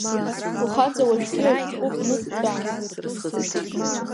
Лхаҵа уажәгьы, ашәҟәы кны, дтәан.